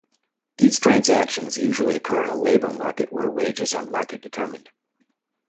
These transactions usually occur in a labour market where wages are market determined.